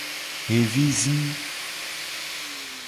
Xevi zi.